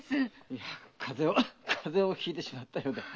いや風邪を風邪をひいてしまったようで面目ない。